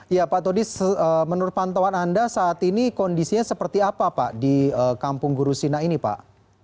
ya pak todis menurut pantauan anda saat ini kondisinya seperti apa pak di kampung gurusina ini pak